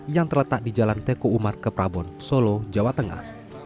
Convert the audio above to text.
yang terletak di jalan teko umar ke prabon solo jawa tengah